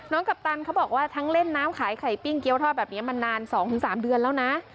กัปตันเขาบอกว่าทั้งเล่นน้ำขายไข่ปิ้งเกี้ยวทอดแบบนี้มานาน๒๓เดือนแล้วนะ